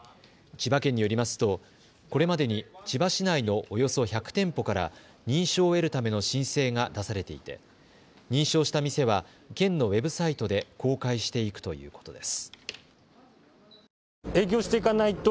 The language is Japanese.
千葉県によりますとこれまでに千葉市内のおよそ１００店舗から認証を得るための申請が出されていて認証した店は県のウェブサイトで公開していくということです。